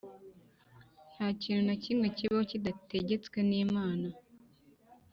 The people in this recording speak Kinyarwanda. nta kintu na kimwe kibaho kitategetswe n’imana